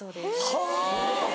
はぁ！